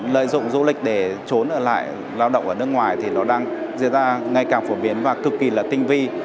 lợi dụng du lịch để trốn ở lại lao động ở nước ngoài thì nó đang diễn ra ngay càng phổ biến và cực kỳ là tinh vi